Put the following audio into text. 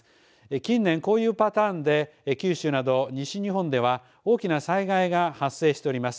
近年こういうパターンで九州など西日本では大きな災害が発生しております。